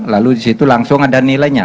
lalu disitu langsung ada nilainya